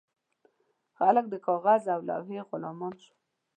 خلک د کاغذ او لوحې غلامان شول.